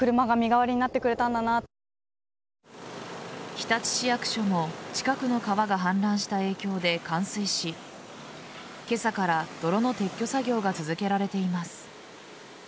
日立市役所も近くの川が氾濫した影響で冠水し今朝から泥の撤去作業が続けられています。